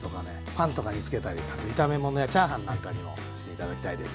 パンとかにつけたりあと炒め物やチャーハンなんかにもして頂きたいです。